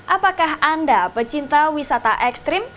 apakah anda pecinta wisata ekstrim